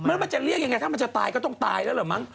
แล้วมันจะเรียกยังไงถ้ามันจะตายก็ต้องตายแล้วเหรอมั้ง